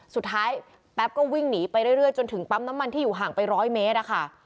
แป๊บก็วิ่งหนีไปเรื่อยจนถึงปั๊มน้ำมันที่อยู่ห่างไปร้อยเมตรอะค่ะ